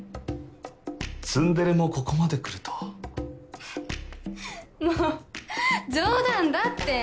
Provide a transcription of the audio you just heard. ツンデレもここまでくるともう冗談だって！